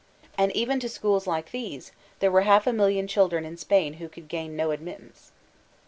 And even to schook like these, there were half a million children in Spain who could gain no admittance.